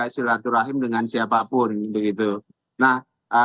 silaturahim dengan siapapun begitu nah